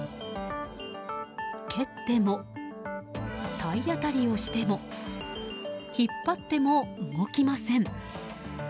蹴っても、体当たりをしても引っ張っても動きません。